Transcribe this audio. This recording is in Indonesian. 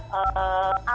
kedua keempat ketiga ketiga